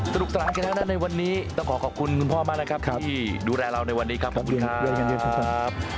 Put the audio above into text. สนุกสนานกันแล้วนะในวันนี้ต้องขอขอบคุณคุณพ่อมากนะครับที่ดูแลเราในวันนี้ครับขอบคุณครับ